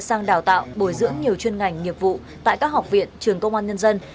sang đào tạo bồi dưỡng nhiều chuyên ngành nghiệp vụ tại các học viện trường công an nhân dân